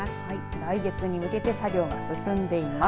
来月に向けて作業が進んでいます。